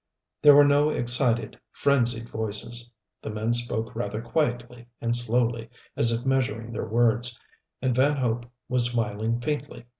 There were no excited, frenzied voices. The men spoke rather quietly and slowly, as if measuring their words, and Van Hope was smiling, faintly.